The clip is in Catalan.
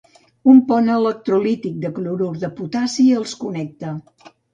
Un pont electrolític de clorur de potassi els connecta.